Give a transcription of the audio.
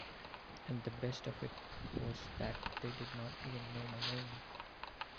And the best of it was that they did not even know my name.